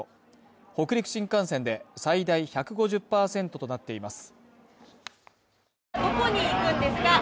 北陸新幹線で最大１５０％となっています。